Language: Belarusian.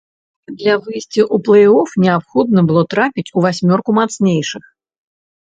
Для выйсця ў плэй-оф неабходна было трапіць у васьмёрку мацнейшых.